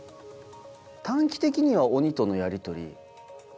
短期的には鬼とのやりとり。